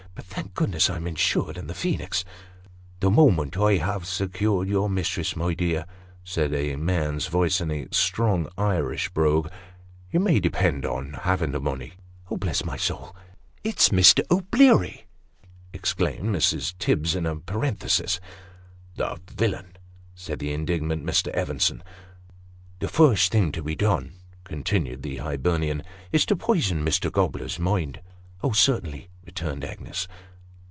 " But thank God I'm insured in the Phoenix !"" The moment I have secured your mistress, my dear," said a man's voice in a strong Irish brogue, "you may depend on having the money." " Bless my soul, it's Mr. O'Bleary !'' exclaimed Mrs. Tibbs, in a parenthesis. " The villain !" said the indignant Mr. Evenson. " The first thing to be done," continued the Hibernian, " is to poison Mr. Gobler's mind." " Oh, certainly," returned Agnes.